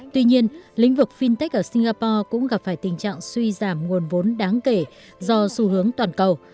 tuy nhiên lĩnh vực fintech ở singapore cũng gặp phải tình trạng suy giảm nguồn vốn đáng kể do xu hướng toàn cầu